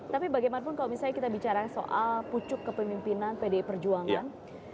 tapi bagaimanapun kalau misalnya kita bicara soal pucuk kepemimpinan pdi perjuangan